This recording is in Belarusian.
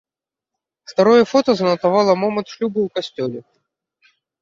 Старое фота занатавала момант шлюбу ў касцёле.